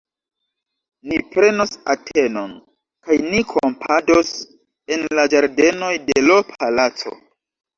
Ni prenos Atenon, kaj ni kampados en la ĝardenoj de l' Palaco!